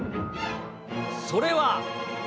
それは。